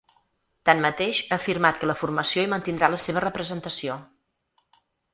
Tanmateix, ha afirmat que la formació hi mantindrà la seva representació.